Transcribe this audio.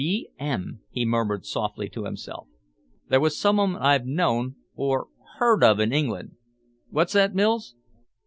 "B. M.," he murmured softly to himself. "There was some one I've known or heard of in England What's that, Mills?"